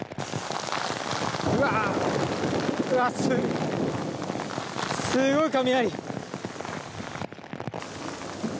うわあ、すごい雷。